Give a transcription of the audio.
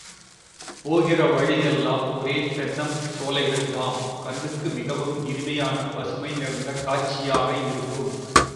போகிற வழி எல்லாம் ஒரே தென்னம் சோலைகள் தாம், கண்ணுக்கு மிகவும் இனிமையான பசுமை நிறைந்த காட்சியாக இருக்கும்.